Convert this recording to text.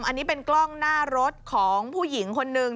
อันนี้เป็นกล้องหน้ารถของผู้หญิงคนนึง